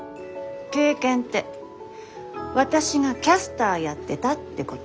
経験って私がキャスターやってたってこと？